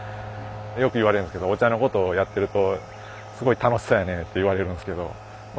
よく言われるんですけどお茶のことをやってるとすごい楽しそうやねって言われるんですけどまあ